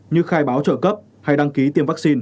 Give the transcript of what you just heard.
như khai báo trợ cấp hay đăng ký tiêm vaccine